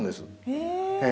へえ！